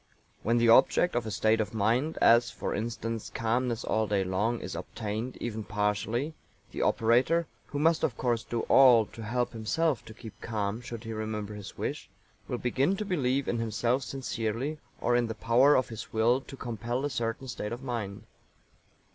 When the object of a state of mind, as, for instance, calmness all day long, is obtained, even partially, the operator (who must, of course, do all to help himself to keep calm, should he remember his wish) will begin to believe in himself sincerely, or in the power of his will to compel a certain state of mind.